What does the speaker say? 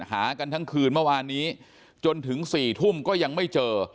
หากันทั้งคืนเมื่อวานนี้จนถึง๔ทุ่มก็ยังไม่เจอ